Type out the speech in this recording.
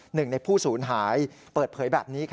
หนึ่งในผู้สูญหายเปิดเผยแบบนี้